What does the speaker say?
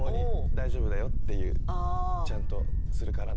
大丈夫だよっていうちゃんとするからねって。